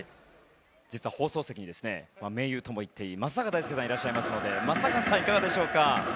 実は放送席に盟友とも言っていい松坂大輔さんがいらっしゃいますので松坂さん、いかがでしょうか。